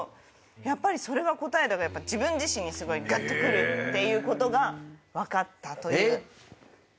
やっぱり『それが答えだ！』が自分自身にすごいグッとくるっていうことが分かったという。